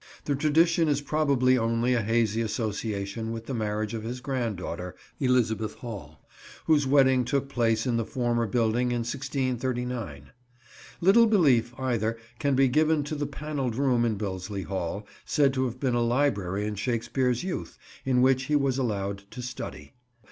The tradition is probably only a hazy association with the marriage of his grand daughter, Elizabeth Hall, whose wedding took place in the former building in 1639. Little belief, either, can be given to the panelled room in Billesley Hall, said to have been a library in Shakespeare's youth, in which he was allowed to study.